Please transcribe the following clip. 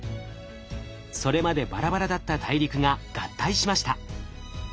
それまでバラバラだった大陸が合体しました。